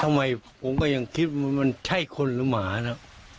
ทำไมผมก็ยังคิดว่ามันใช่คนหรือหมานะ